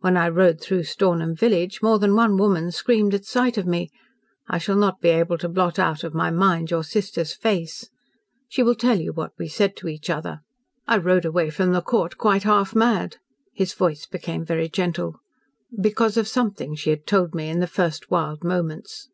When I rode through Stornham village, more than one woman screamed at sight of me. I shall not be able to blot out of my mind your sister's face. She will tell you what we said to each other. I rode away from the Court quite half mad " his voice became very gentle, "because of something she had told me in the first wild moments."